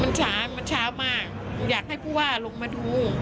มันช้ามันเช้ามากอยากให้ผู้ว่าลงมาดู